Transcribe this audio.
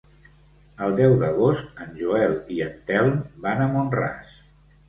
El deu d'agost en Joel i en Telm van a Mont-ras.